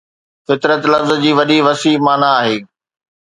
فطرت لفظ جي وڏي وسيع معنيٰ آهي